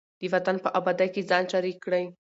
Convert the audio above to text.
د وطن په ابادۍ کې ځان شریک کړئ.